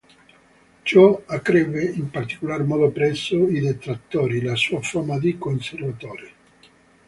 Ciò accrebbe, in particolar modo presso i detrattori, la sua fama di conservatore.